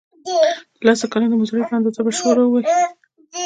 د لسو کلونو د مزدورۍ په اندازه به شوړه ووهي.